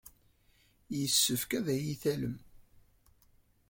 Yessefk ad iyi-tallem.